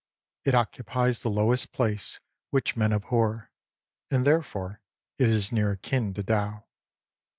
It occupies the lowest place, which men abhor. And therefore it is near akin to Tao.